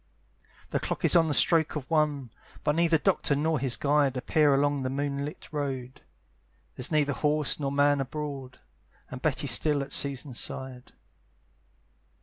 The clock is on the stroke of one; But neither Doctor nor his guide Appear along the moonlight road, There's neither horse nor man abroad, And Betty's still at Susan's side.